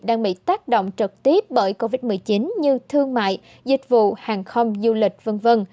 đang bị tác động trực tiếp bởi covid một mươi chín như thương mại dịch vụ hàng không du lịch v v